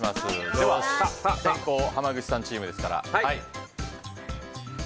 では、先攻濱口さんチームですから。